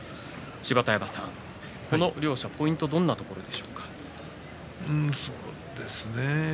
芝田山さん、この両者ポイントはどんなところでしょうか。